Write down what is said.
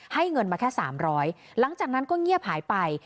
เงินมาแค่๓๐๐หลังจากนั้นก็เงียบหายไป